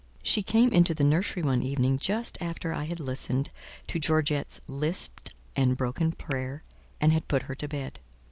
She came into the nursery one evening just after I had listened to Georgette's lisped and broken prayer, and had put her to bed.